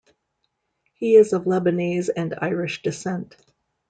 He is of Lebanese and Irish descent.